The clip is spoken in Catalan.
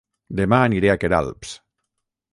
Dema aniré a Queralbs